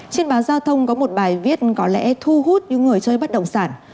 trên báo giao thông có một bài viết có lẽ thu hút những người chơi bất động sản